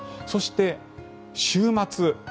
そして、週末。